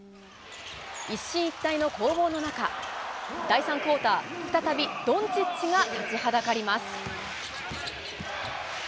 一進一退の攻防の中、第３クオーター、再びドンチッチが立ちはだかります。